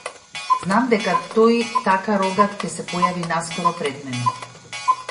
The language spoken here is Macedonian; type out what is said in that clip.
Знам дека тој така рогат ќе се појави наскоро пред мене.